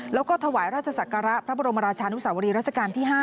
แล้วก็ถวายราชศักระพระบรมราชานุสาวรีรัชกาลที่๕